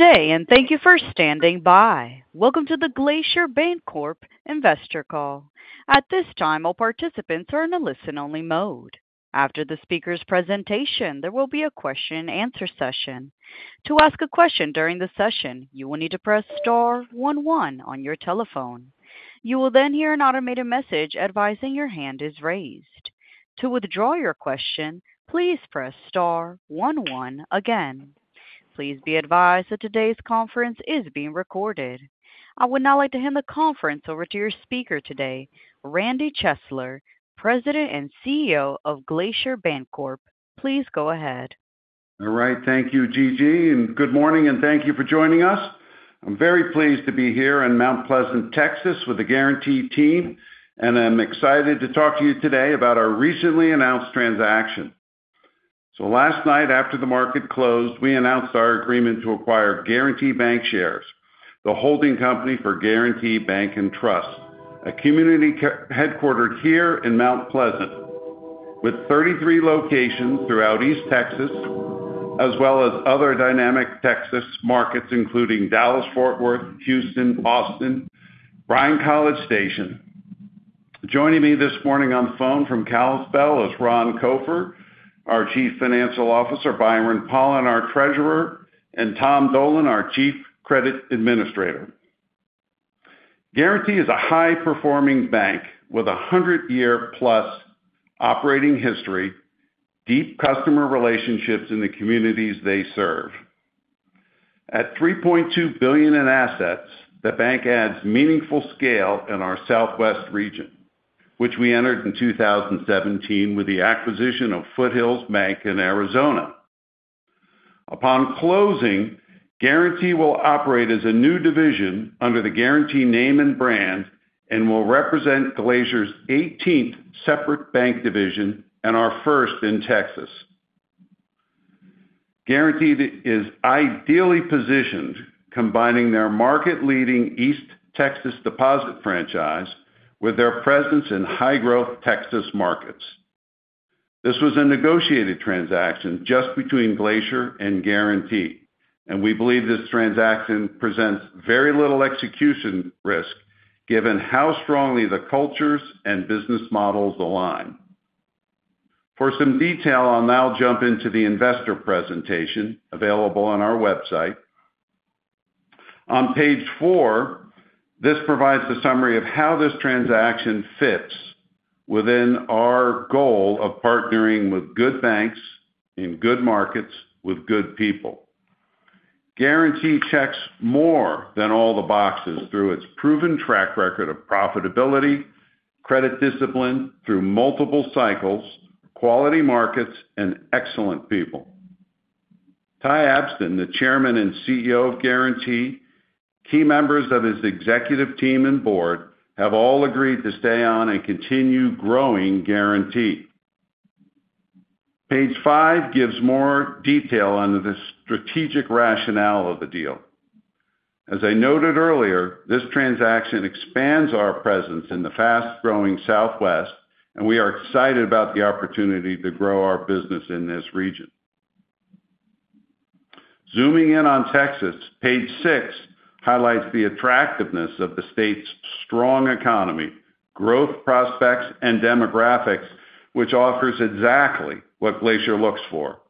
Good day, and thank you for standing by. Welcome to the Glacier Bancorp Investor Call. At this time, all participants are in a listen-only mode. After the speaker's presentation, there will be a question-and-answer session. To ask a question during the session, you will need to press star one one on your telephone. You will then hear an automated message advising your hand is raised. To withdraw your question, please press star one one again. Please be advised that today's conference is being recorded. I would now like to hand the conference over to your speaker today, Randy Chesler, President and CEO of Glacier Bancorp. Please go ahead. All right. Thank you, Gigi. Good morning, and thank you for joining us. I'm very pleased to be here in Mount Pleasant, Texas, with the Guaranty team, and I'm excited to talk to you today about our recently announced transaction. Last night, after the market closed, we announced our agreement to acquire Guaranty Bancshares, the holding company for Guaranty Bank & Trust, a community bank headquartered here in Mount Pleasant, with 33 locations throughout East Texas, as well as other dynamic Texas markets, including Dallas, Fort Worth, Houston, Austin, and Bryan-College Station. Joining me this morning on the phone from Kalispell is Ron Copher, our Chief Financial Officer, Byron Pollan, our Treasurer, and Tom Dolan, our Chief Credit Administrator. Guaranty is a high-performing bank with a 100-year-plus operating history, deep customer relationships in the communities they serve. At $3.2 billion in assets, the bank adds meaningful scale in our Southwest region, which we entered in 2017 with the acquisition of Foothills Bank in Arizona. Upon closing, Guaranty will operate as a new division under the Guaranty name and brand and will represent Glacier's 18th separate bank Division and our first in Texas. Guaranty is ideally positioned, combining their market-leading East Texas deposit franchise with their presence in high-growth Texas markets. This was a negotiated transaction just between Glacier and Guaranty, and we believe this transaction presents very little execution risk, given how strongly the cultures and business models align. For some detail, I'll now jump into the investor presentation available on our website. On page four, this provides a summary of how this transaction fits within our goal of partnering with good banks in good markets with good people. Guaranty checks more than all the boxes through its proven track record of profitability, credit discipline through multiple cycles, quality markets, and excellent people. Ty Abston, the Chairman and CEO of Guaranty, and key members of his executive team and board have all agreed to stay on and continue growing Guaranty. Page five gives more detail on the strategic rationale of the deal. As I noted earlier, this transaction expands our presence in the fast-growing Southwest, and we are excited about the opportunity to grow our business in this region. Zooming in on Texas, page six highlights the attractiveness of the state's strong economy, growth prospects, and demographics, which offers exactly what Glacier looks for: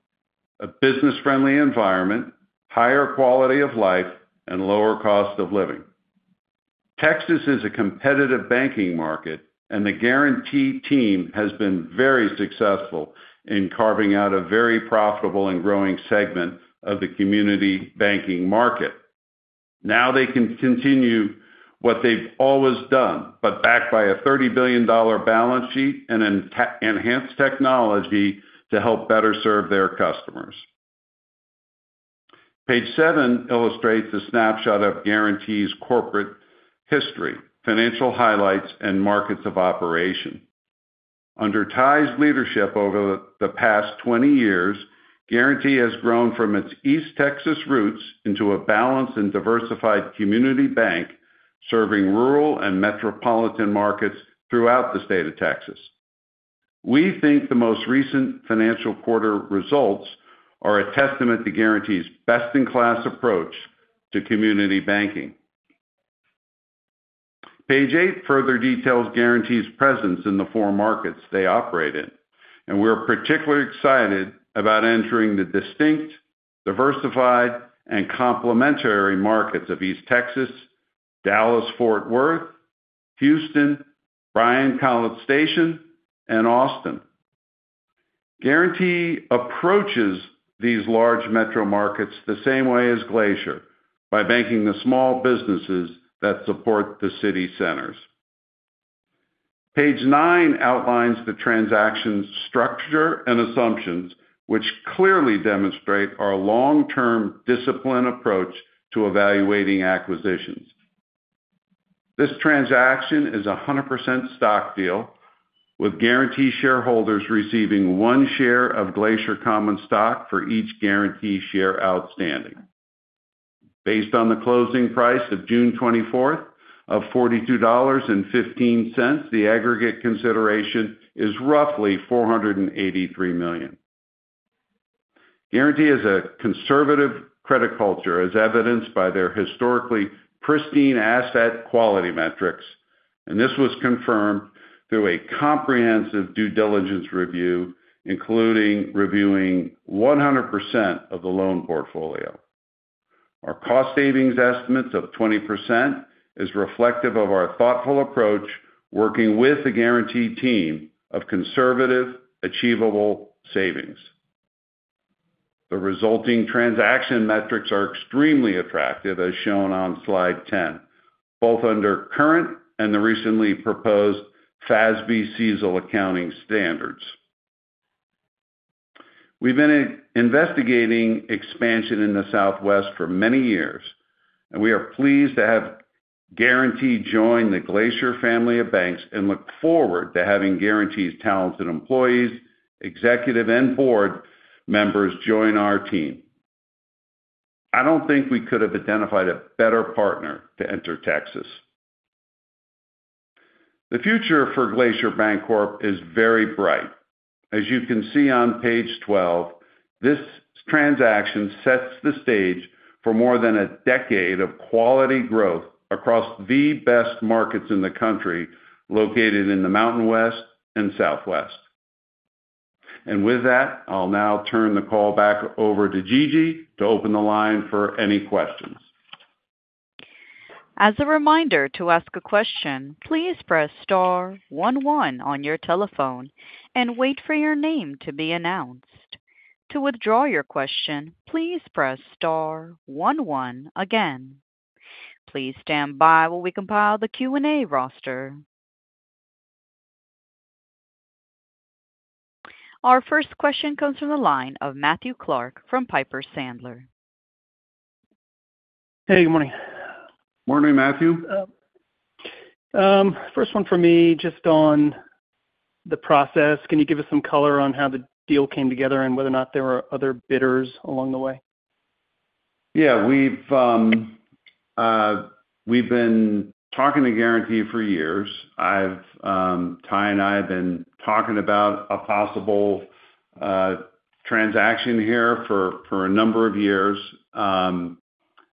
a business-friendly environment, higher quality of life, and lower cost of living. Texas is a competitive banking market, and the Guaranty team has been very successful in carving out a very profitable and growing segment of the community banking market. Now they can continue what they've always done, but backed by a $30 billion balance sheet and enhanced technology to help better serve their customers. Page seven illustrates a snapshot of Guaranty's corporate history, financial highlights, and markets of operation. Under Ty's leadership over the past 20 years, Guaranty has grown from its East Texas roots into a balanced and diversified community bank serving rural and metropolitan markets throughout the state of Texas. We think the most recent financial quarter results are a testament to Guaranty's best-in-class approach to community banking. Page eight further details Guaranty's presence in the four markets they operate in, and we're particularly excited about entering the distinct, diversified, and complementary markets of East Texas, Dallas, Fort Worth, Houston, Bryan–College Station, and Austin. Guaranty approaches these large metro markets the same way as Glacier, by banking the small businesses that support the city centers. Page nine outlines the transaction's structure and assumptions, which clearly demonstrate our long-term discipline approach to evaluating acquisitions. This transaction is a 100% stock deal, with Guaranty shareholders receiving one share of Glacier common stock for each Guaranty share outstanding. Based on the closing price of June 24th of $42.15, the aggregate consideration is roughly $483 million. Guaranty has a conservative credit culture, as evidenced by their historically pristine asset quality metrics, and this was confirmed through a comprehensive due diligence review, including reviewing 100% of the loan portfolio. Our cost savings estimates of 20% are reflective of our thoughtful approach, working with the Guaranty team of conservative, achievable savings. The resulting transaction metrics are extremely attractive, as shown on slide 10, both under current and the recently proposed FASB CECL accounting standards. We've been investigating expansion in the Southwest for many years, and we are pleased to have Guaranty join the Glacier family of banks and look forward to having Guaranty's talented employees, executive, and board members join our team. I don't think we could have identified a better partner to enter Texas. The future for Glacier Bancorp is very bright. As you can see on page 12, this transaction sets the stage for more than a decade of quality growth across the best markets in the country, located in the Mountain West and Southwest. With that, I'll now turn the call back over to Gigi to open the line for any questions. As a reminder to ask a question, please press star one one on your telephone and wait for your name to be announced. To withdraw your question, please press star one again. Please stand by while we compile the Q&A roster. Our first question comes from the line of Matthew Clark from Piper Sandler. Hey, good morning. Morning, Matthew. First one from me, just on the process. Can you give us some color on how the deal came together and whether or not there were other bidders along the way? Yeah. We've been talking to Guaranty for years. Ty and I have been talking about a possible transaction here for a number of years.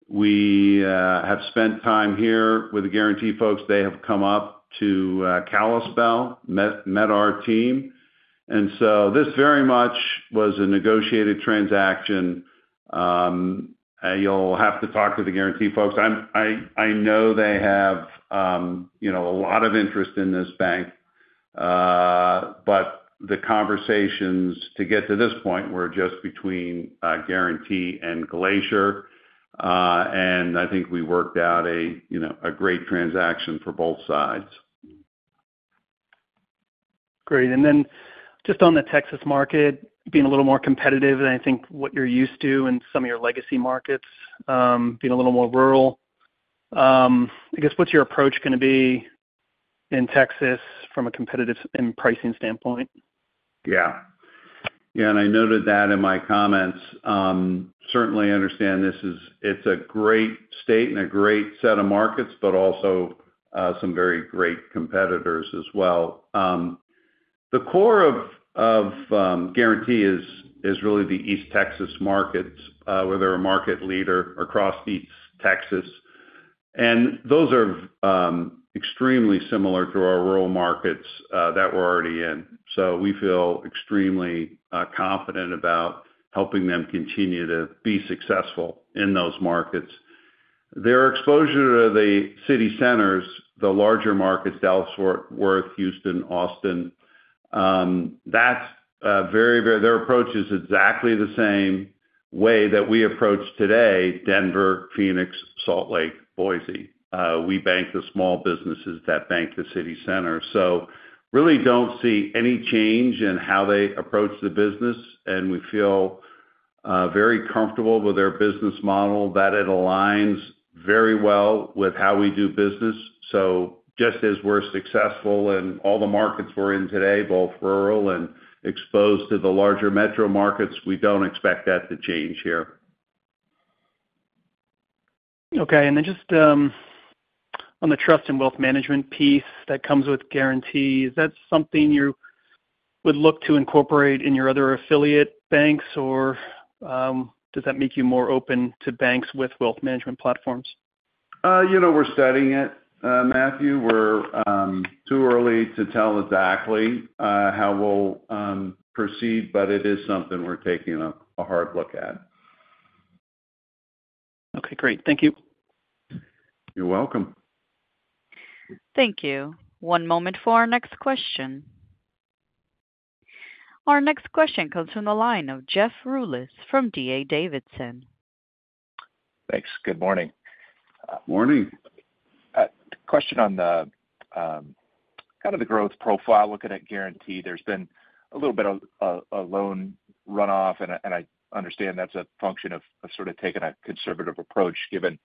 We have spent time here with the Guaranty folks. They have come up to Kalispell, met our team. This very much was a negotiated transaction. You'll have to talk to the Guaranty folks. I know they have a lot of interest in this bank, but the conversations to get to this point were just between Guaranty and Glacier, and I think we worked out a great transaction for both sides. Great. Just on the Texas market, being a little more competitive than I think what you're used to in some of your legacy markets, being a little more rural, I guess, what's your approach going to be in Texas from a competitive and pricing standpoint? Yeah. Yeah. I noted that in my comments. Certainly, I understand this is a great state and a great set of markets, but also some very great competitors as well. The core of Guaranty is really the East Texas markets, where they're a market leader across East Texas. Those are extremely similar to our rural markets that we're already in. We feel extremely confident about helping them continue to be successful in those markets. Their exposure to the city centers, the larger markets, Dallas, Fort Worth, Houston, Austin, their approach is exactly the same way that we approach today: Denver, Phoenix, Salt Lake City, Boise. We bank the small businesses that bank the city center. Really do not see any change in how they approach the business, and we feel very comfortable with their business model, that it aligns very well with how we do business. Just as we're successful in all the markets we're in today, both rural and exposed to the larger metro markets, we don't expect that to change here. Okay. And then just on the trust and wealth management piece that comes with Guaranty, is that something you would look to incorporate in your other affiliate banks, or does that make you more open to banks with wealth management platforms? We're studying it, Matthew. We're too early to tell exactly how we'll proceed, but it is something we're taking a hard look at. Okay. Great. Thank you. You're welcome. Thank you. One moment for our next question. Our next question comes from the line of Jeff Rulis from D.A. Davidson. Thanks. Good morning. Morning. Question on kind of the growth profile. Looking at Guaranty, there's been a little bit of a loan runoff, and I understand that's a function of sort of taking a conservative approach given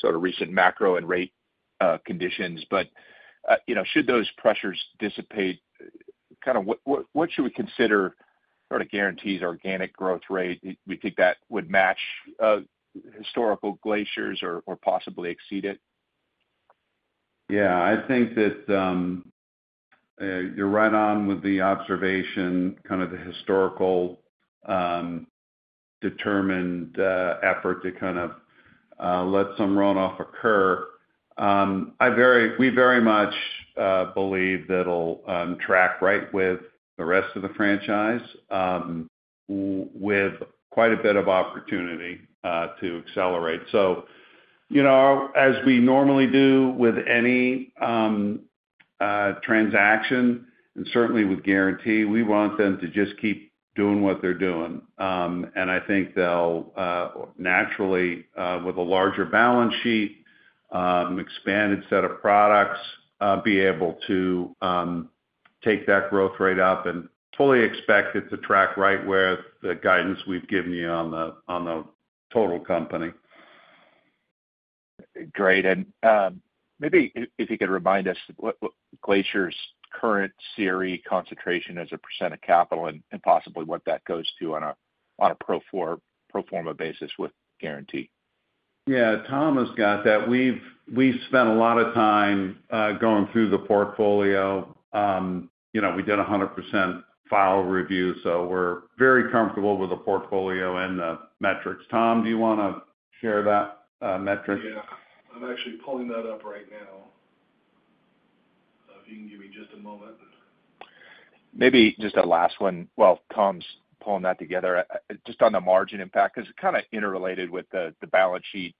sort of recent macro and rate conditions. Should those pressures dissipate, kind of what should we consider sort of Guaranty's organic growth rate? We think that would match historical Glacier's or possibly exceed it. Yeah. I think that you're right on with the observation, kind of the historical determined effort to kind of let some runoff occur. We very much believe that it'll track right with the rest of the franchise, with quite a bit of opportunity to accelerate. As we normally do with any transaction, and certainly with Guaranty, we want them to just keep doing what they're doing. I think they'll naturally, with a larger balance sheet, expanded set of products, be able to take that growth rate up and fully expect it to track right with the guidance we've given you on the total company. Great. Maybe if you could remind us, Glacier's current CRE concentration as a percent of capital and possibly what that goes to on a pro forma basis with Guaranty. Yeah. Tom has got that. We've spent a lot of time going through the portfolio. We did a 100% file review, so we're very comfortable with the portfolio and the metrics. Tom, do you want to share that metric? Yeah. I'm actually pulling that up right now. If you can give me just a moment. Maybe just a last one. While Tom's pulling that together, just on the margin impact, because it's kind of interrelated with the balance sheet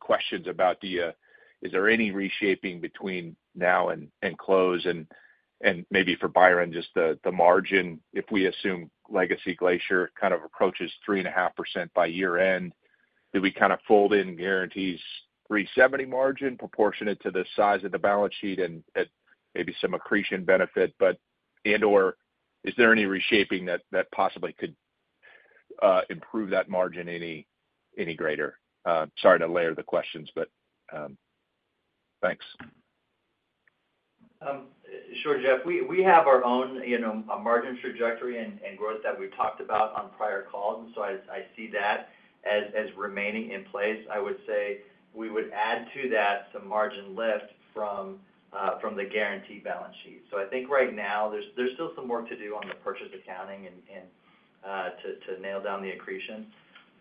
questions about, is there any reshaping between now and close? And maybe for Byron, just the margin, if we assume Legacy Glacier kind of approaches 3.5% by year-end, do we kind of fold in Guaranty's 3.70% margin proportionate to the size of the balance sheet and maybe some accretion benefit? And/or is there any reshaping that possibly could improve that margin any greater? Sorry to layer the questions, but thanks. Sure, Jeff. We have our own margin trajectory and growth that we've talked about on prior calls, and I see that as remaining in place. I would say we would add to that some margin lift from the Guaranty balance sheet. I think right now there's still some work to do on the purchase accounting to nail down the accretion,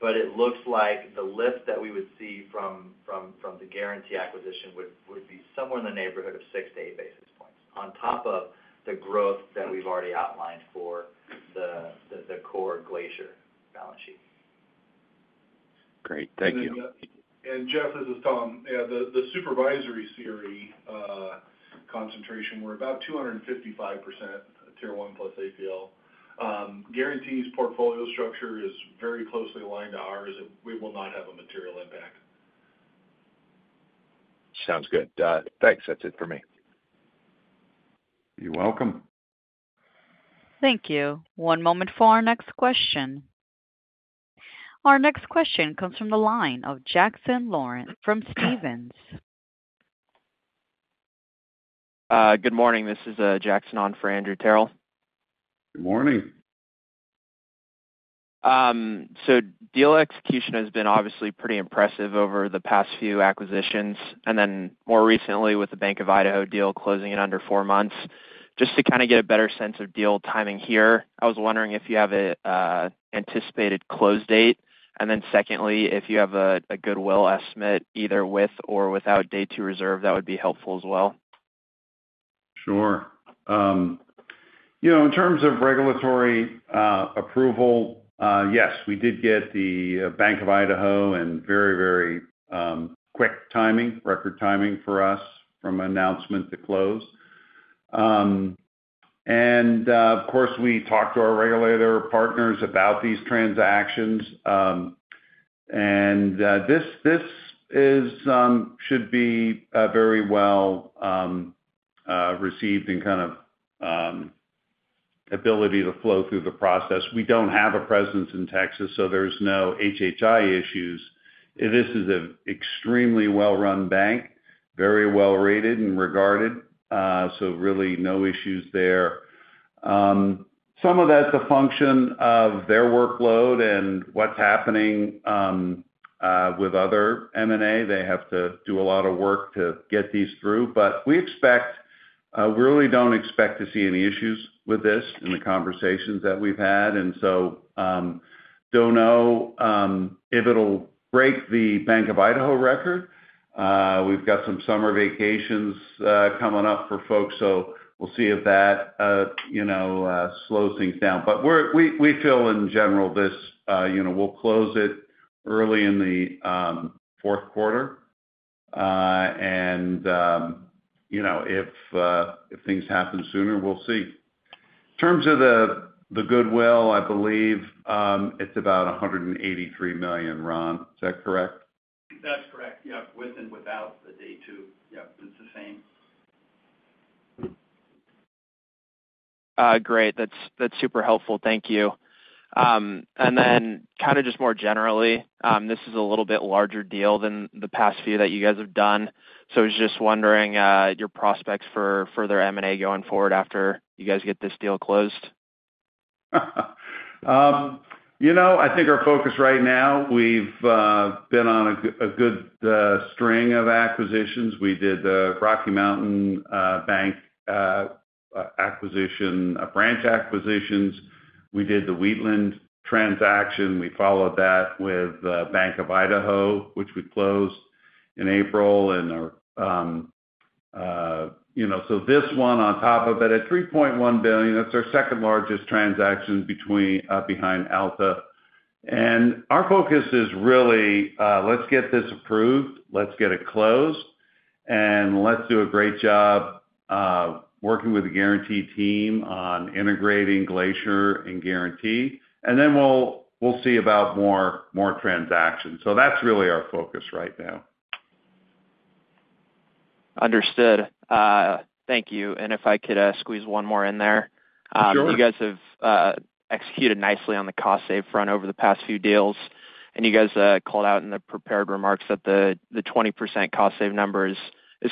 but it looks like the lift that we would see from the Guaranty acquisition would be somewhere in the neighborhood of six basis points-eight basis points on top of the growth that we've already outlined for the core Glacier balance sheet. Great. Thank you. Jeff, this is Tom. Yeah. The supervisory CRE concentration, we're about 255% tier one plus ACL. Guaranty's portfolio structure is very closely aligned to ours, and we will not have a material impact. Sounds good. Thanks. That's it for me. You're welcome. Thank you. One moment for our next question. Our next question comes from the line of Jackson Laurent from Stephens. Good morning. This is Jackson on for Andrew Terrell. Good morning. Deal execution has been obviously pretty impressive over the past few acquisitions, and then more recently with the Bank of Idaho deal closing in under four months. Just to kind of get a better sense of deal timing here, I was wondering if you have an anticipated close date, and then secondly, if you have a goodwill estimate, either with or without day two reserve, that would be helpful as well. Sure. In terms of regulatory approval, yes, we did get the Bank of Idaho and very, very quick timing, record timing for us from announcement to close. Of course, we talked to our regulator partners about these transactions, and this should be very well received in kind of ability to flow through the process. We do not have a presence in Texas, so there are no HHI issues. This is an extremely well-run bank, very well-rated and regarded, so really no issues there. Some of that is a function of their workload and what is happening with other M&A. They have to do a lot of work to get these through, but we really do not expect to see any issues with this in the conversations that we have had. I do not know if it will break the Bank of Idaho record. We've got some summer vacations coming up for folks, so we'll see if that slows things down. We feel in general this will close early in the fourth quarter, and if things happen sooner, we'll see. In terms of the goodwill, I believe it's about $183 million. Ron, is that correct? That's correct. Yeah. With and without the day two. Yeah. It's the same. Great. That's super helpful. Thank you. And then kind of just more generally, this is a little bit larger deal than the past few that you guys have done, so I was just wondering your prospects for further M&A going forward after you guys get this deal closed. I think our focus right now, we've been on a good string of acquisitions. We did Rocky Mountain Bank acquisition, branch acquisitions. We did the Wheatland transaction. We followed that with Bank of Idaho, which we closed in April. This one on top of it at $3.1 billion, that's our second largest transaction behind Alta. Our focus is really, let's get this approved, let's get it closed, and let's do a great job working with the Guaranty team on integrating Glacier and Guaranty, and then we'll see about more transactions. That's really our focus right now. Understood. Thank you. If I could squeeze one more in there. Sure. You guys have executed nicely on the cost-save front over the past few deals, and you guys called out in the prepared remarks that the 20% cost-save number is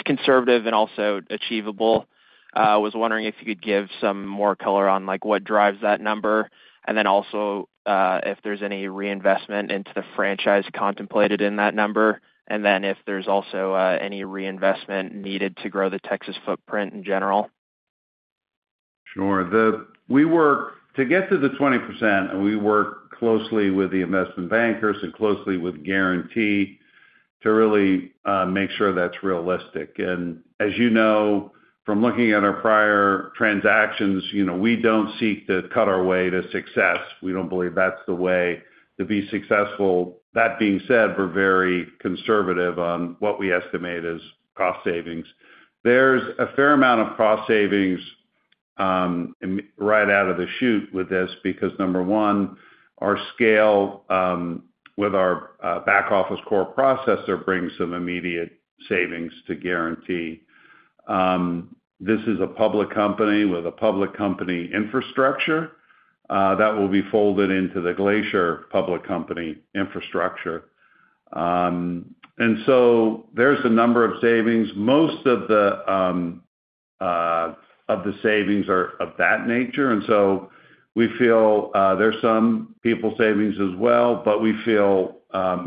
conservative and also achievable. I was wondering if you could give some more color on what drives that number, and then also if there's any reinvestment into the franchise contemplated in that number, and then if there's also any reinvestment needed to grow the Texas footprint in general. Sure. To get to the 20%, we work closely with the investment bankers and closely with Guaranty to really make sure that's realistic. As you know, from looking at our prior transactions, we don't seek to cut our way to success. We don't believe that's the way to be successful. That being said, we're very conservative on what we estimate as cost savings. There's a fair amount of cost savings right out of the chute with this because, number one, our scale with our back office core processor brings some immediate savings to Guaranty. This is a public company with a public company infrastructure that will be folded into the Glacier public company Infrastructure. There are a number of savings. Most of the savings are of that nature, and so we feel there's some people savings as well, but we feel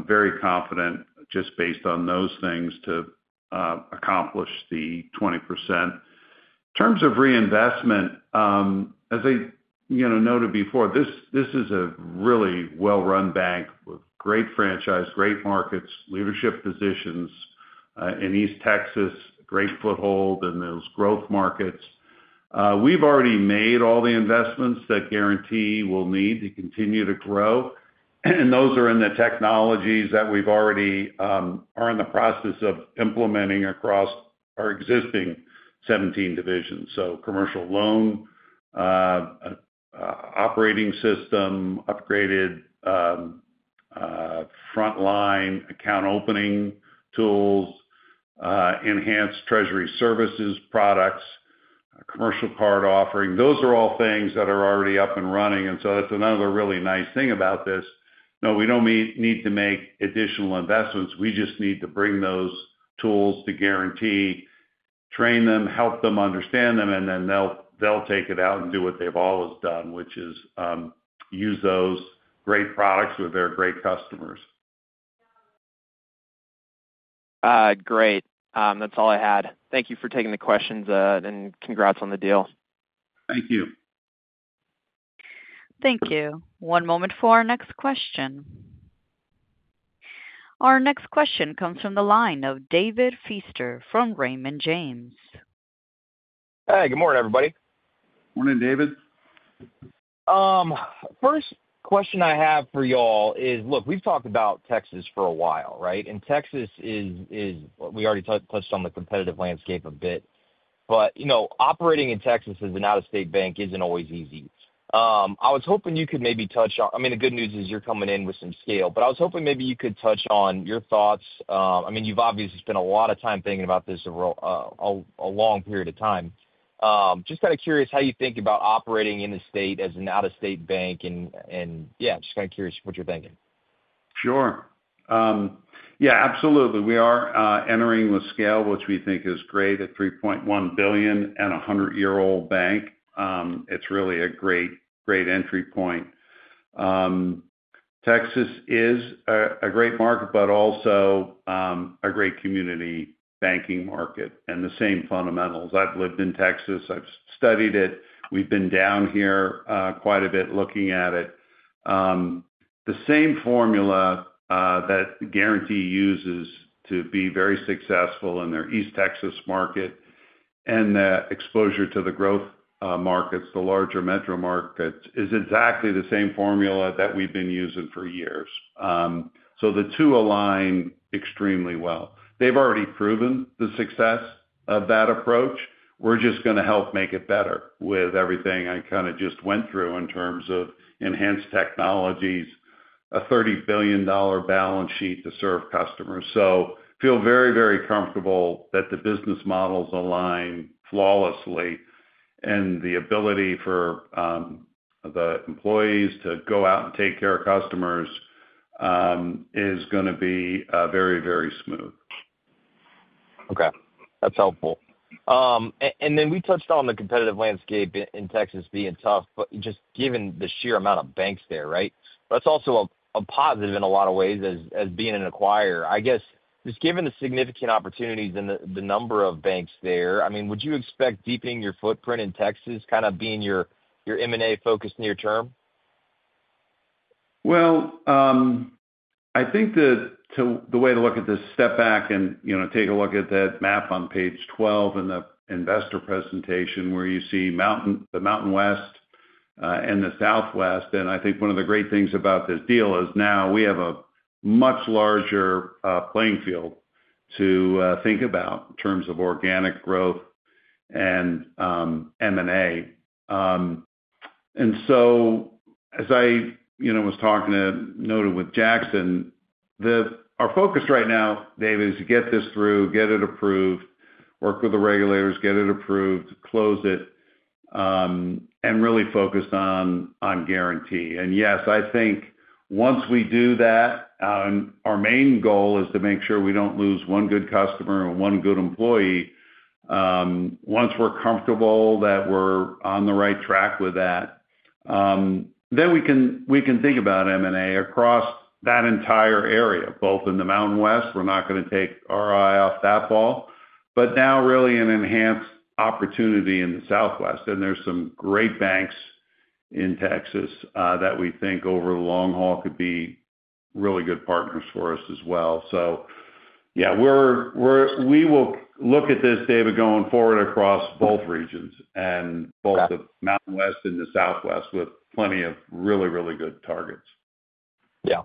very confident just based on those things to accomplish the 20%. In terms of reinvestment, as I noted before, this is a really well-run bank with great franchise, great markets, leadership positions in East Texas, great foothold in those growth markets. We've already made all the investments that Guaranty will need to continue to grow, and those are in the technologies that we've already are in the process of implementing across our existing 17 Divisions. Commercial loan, operating system, upgraded frontline account opening tools, enhanced treasury services products, commercial card offering. Those are all things that are already up and running, and so that's another really nice thing about this. No, we don't need to make additional investments. We just need to bring those tools to Guaranty, train them, help them understand them, and then they'll take it out and do what they've always done, which is use those great products with their great customers. Great. That's all I had. Thank you for taking the questions, and congrats on the deal. Thank you. Thank you. One moment for our next question. Our next question comes from the line of David Feaster from Raymond James. Hey. Good morning, everybody. Morning, David. First question I have for y'all is, look, we've talked about Texas for a while, right? And Texas is, we already touched on the competitive landscape a bit, but operating in Texas as an out-of-state bank isn't always easy. I was hoping you could maybe touch on, I mean, the good news is you're coming in with some scale, but I was hoping maybe you could touch on your thoughts. I mean, you've obviously spent a lot of time thinking about this, a long period of time. Just kind of curious how you think about operating in the state as an out-of-state bank, and yeah, just kind of curious what you're thinking. Sure. Yeah. Absolutely. We are entering with scale, which we think is great at $3.1 billion at a 100-year-old bank. It's really a great entry point. Texas is a great market, but also a great community banking market and the same fundamentals. I've lived in Texas. I've studied it. We've been down here quite a bit looking at it. The same formula that Guaranty uses to be very successful in their East Texas market and the exposure to the growth markets, the larger metro markets, is exactly the same formula that we've been using for years. The two align extremely well. They've already proven the success of that approach. We're just going to help make it better with everything I kind of just went through in terms of enhanced technologies, a $30 billion balance sheet to serve customers. I feel very, very comfortable that the business models align flawlessly, and the ability for the employees to go out and take care of customers is going to be very, very smooth. Okay. That's helpful. We touched on the competitive landscape in Texas being tough, but just given the sheer amount of banks there, right? That's also a positive in a lot of ways as being an acquirer. I guess just given the significant opportunities and the number of banks there, I mean, would you expect deepening your footprint in Texas kind of being your M&A focus near term? I think the way to look at this is to step back and take a look at that map on page 12 in the investor presentation where you see the Mountain West and the Southwest. I think one of the great things about this deal is now we have a much larger playing field to think about in terms of organic growth and M&A. As I was talking to Notan with Jackson, our focus right now, David, is to get this through, get it approved, work with the regulators, get it approved, close it, and really focus on Guaranty. Yes, I think once we do that, our main goal is to make sure we do not lose one good customer and one good employee. Once we're comfortable that we're on the right track with that, then we can think about M&A across that entire area, both in the Mountain West. We're not going to take our eye off that ball, but now really an enhanced opportunity in the Southwest, and there's some great banks in Texas that we think over the long haul could be really good partners for us as well. Yeah, we will look at this, David, going forward across both regions and both the Mountain West and the Southwest with plenty of really, really good targets. Yeah.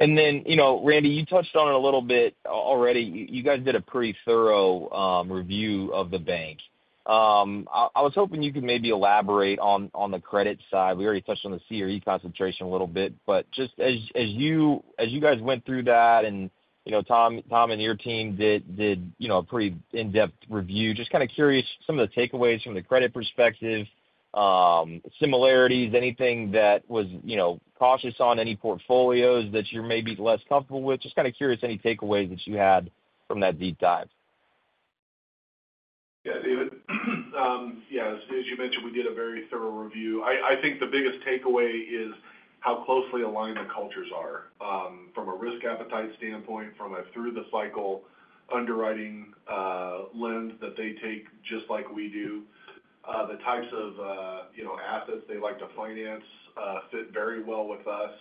Randy, you touched on it a little bit already. You guys did a pretty thorough review of the bank. I was hoping you could maybe elaborate on the credit side. We already touched on the CRE concentration a little bit, but just as you guys went through that and Tom and your team did a pretty in-depth review, just kind of curious some of the takeaways from the credit perspective, similarities, anything that was cautious on any portfolios that you're maybe less comfortable with. Just kind of curious any takeaways that you had from that deep dive. Yeah, David. Yeah. As you mentioned, we did a very thorough review. I think the biggest takeaway is how closely aligned the cultures are from a risk appetite standpoint, from a through-the-cycle underwriting lens that they take just like we do. The types of assets they like to finance fit very well with us.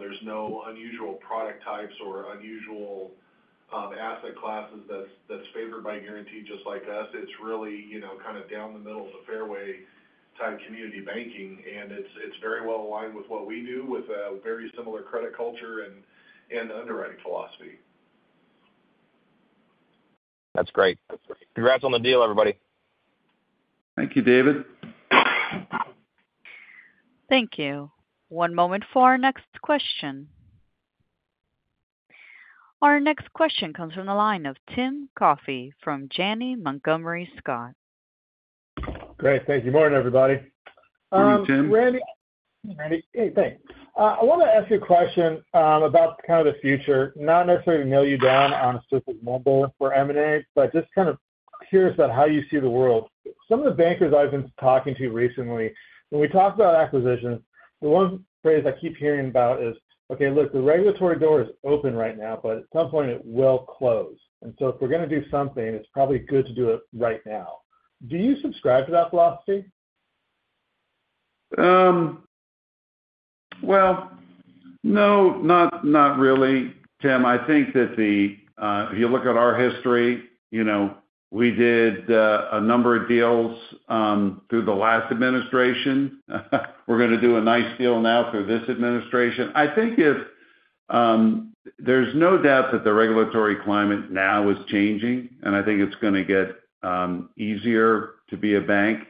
There's no unusual product types or unusual asset classes that's favored by Guaranty just like us. It's really kind of down the middle of the fairway-type community banking, and it's very well aligned with what we do with a very similar credit culture and underwriting philosophy. That's great. Congrats on the deal, everybody. Thank you, David. Thank you. One moment for our next question. Our next question comes from the line of Tim Coffey from Janney Montgomery Scott. Great. Thank you. Morning, everybody. Hey, Tim. Randy. Hey, thanks. I want to ask you a question about kind of the future, not necessarily to nail you down on a specific number for M&A, but just kind of curious about how you see the world. Some of the bankers I've been talking to recently, when we talk about acquisitions, the one phrase I keep hearing about is, "Okay, look, the regulatory door is open right now, but at some point it will close." If we're going to do something, it's probably good to do it right now. Do you subscribe to that philosophy? No, not really, Tim. I think that if you look at our history, we did a number of deals through the last administration. We're going to do a nice deal now through this administration. I think there's no doubt that the regulatory climate now is changing, and I think it's going to get easier to be a bank,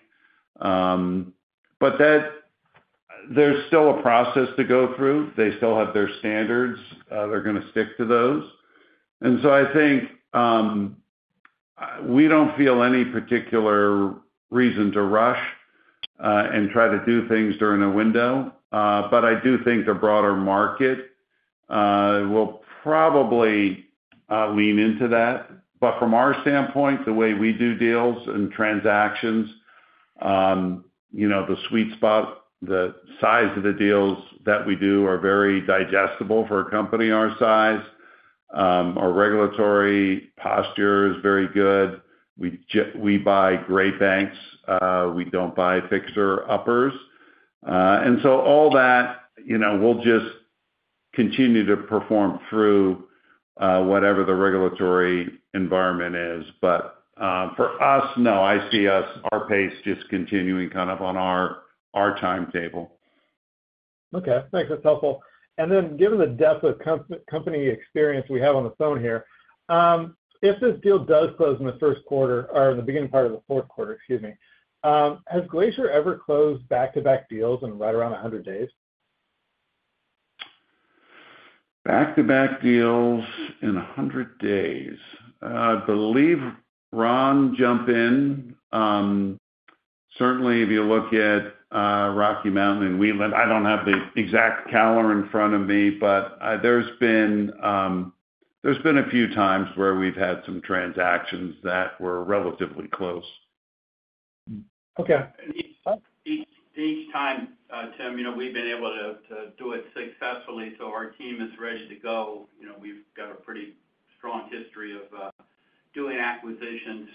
but there's still a process to go through. They still have their standards. They're going to stick to those. I think we don't feel any particular reason to rush and try to do things during a window, but I do think the broader market will probably lean into that. From our standpoint, the way we do deals and transactions, the sweet spot, the size of the deals that we do are very digestible for a company our size. Our regulatory posture is very good. We buy great banks. We don't buy fixer-uppers. All that will just continue to perform through whatever the regulatory environment is. For us, no, I see us our pace just continuing kind of on our timetable. Okay. Thanks. That's helpful. Then given the depth of company experience we have on the phone here, if this deal does close in the first quarter or the beginning part of the fourth quarter, excuse me, has Glacier ever closed back-to-back deals in right around 100 days? Back-to-back deals in 100 days. I believe Ron, jump in. Certainly, if you look at Rocky Mountain and Wheatland, I don't have the exact calendar in front of me, but there's been a few times where we've had some transactions that were relatively close. Okay. Each time, Tim, we've been able to do it successfully, so our team is ready to go. We've got a pretty strong history of doing acquisitions.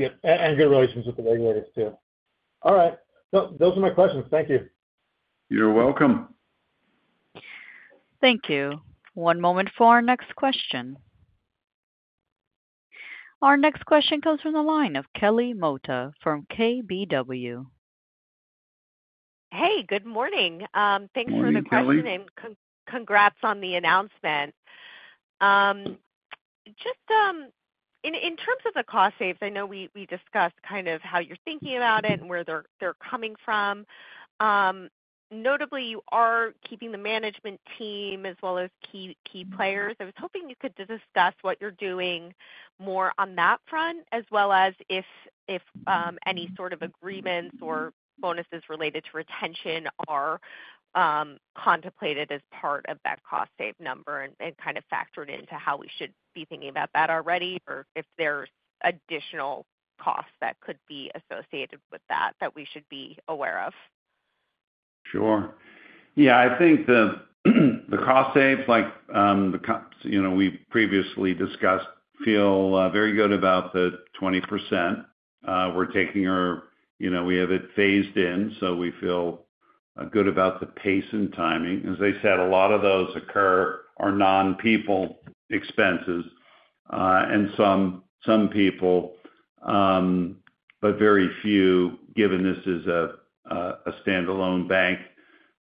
Yeah. And good relations with the regulators too. All right. Those are my questions. Thank you. You're welcome. Thank you. One moment for our next question. Our next question comes from the line of Kelly Motta from KBW. Hey, good morning. Thanks for the question. Congrats on the announcement. Just in terms of the cost savings, I know we discussed kind of how you're thinking about it and where they're coming from. Notably, you are keeping the management team as well as key players. I was hoping you could discuss what you're doing more on that front, as well as if any sort of agreements or bonuses related to retention are contemplated as part of that cost save number and kind of factored into how we should be thinking about that already, or if there's additional costs that could be associated with that that we should be aware of. Sure. Yeah. I think the cost saves, like we previously discussed, feel very good about the 20%. We're taking our we have it phased in, so we feel good about the pace and timing. As I said, a lot of those are non-people expenses and some people, but very few, given this is a standalone bank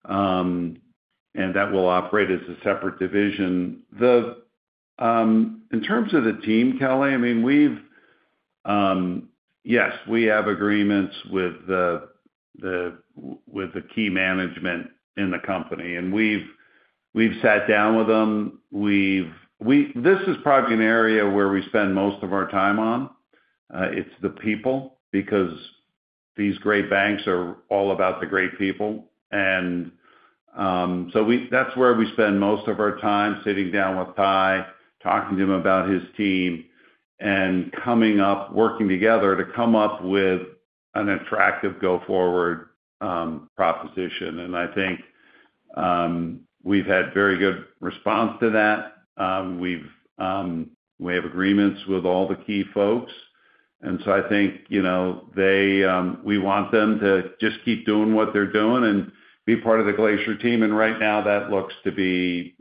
and that will operate as a separate Division. In terms of the team, Kelly, I mean, yes, we have agreements with the key management in the company, and we've sat down with them. This is probably an area where we spend most of our time on. It's the people because these great banks are all about the great people. That's where we spend most of our time sitting down with Ty, talking to him about his team, and coming up, working together to come up with an attractive go-forward proposition. I think we've had very good response to that. We have agreements with all the key folks. I think we want them to just keep doing what they're doing and be part of the Glacier team. Right now, that looks to be.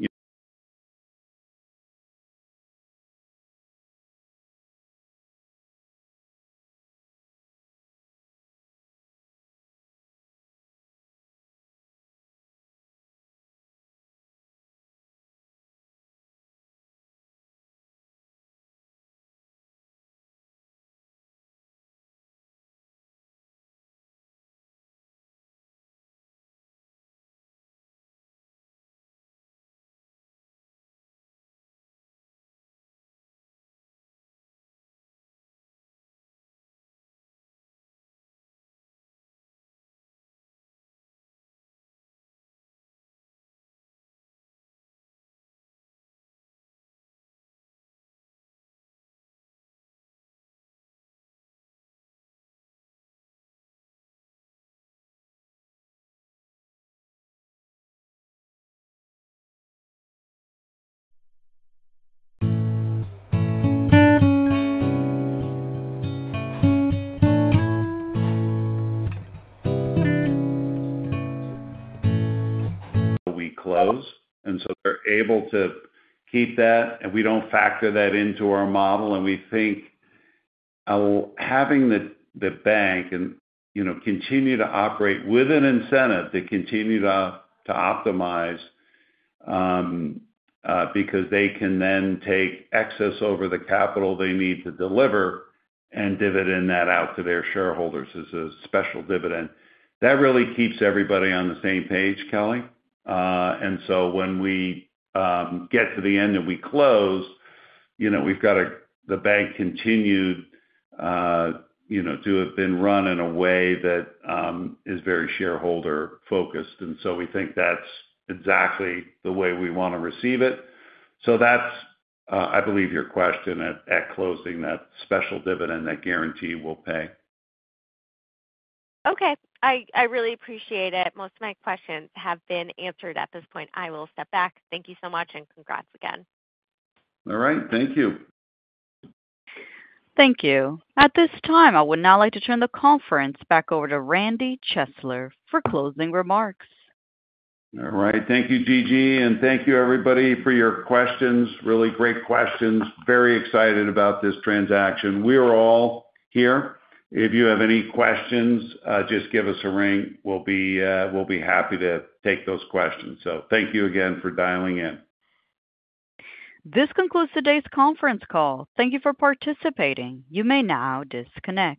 We close. They're able to keep that, and we don't factor that into our model. We think having the bank continue to operate with an incentive to continue to optimize because they can then take excess over the capital they need to deliver and dividend that out to their shareholders as a special dividend. That really keeps everybody on the same page, Kelly. When we get to the end and we close, we've got the bank continued to have been run in a way that is very shareholder-focused. We think that's exactly the way we want to receive it. That's, I believe, your question at closing, that special dividend that Guaranty will pay. Okay. I really appreciate it. Most of my questions have been answered at this point. I will step back. Thank you so much, and congrats again. All right. Thank you. Thank you. At this time, I would now like to turn the conference back over to Randy Chesler for closing remarks. All right. Thank you, Gigi, and thank you, everybody, for your questions. Really great questions. Very excited about this transaction. We are all here. If you have any questions, just give us a ring. We'll be happy to take those questions. Thank you again for dialing in. This concludes today's conference call. Thank you for participating. You may now disconnect.